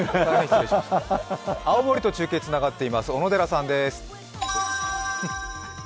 青森と中継、つながっています小野寺さんです。